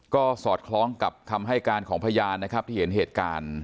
ก็สอดคล้องกับคำให้การของพยานนะครับที่เห็นเหตุการณ์